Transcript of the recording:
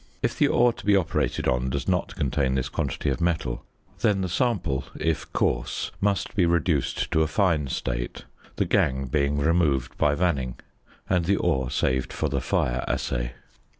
If the ore to be operated on does not contain this quantity of metal, then the sample (if coarse) must be reduced to a fine state, the gangue being removed by vanning, and the ore saved for the fire assay.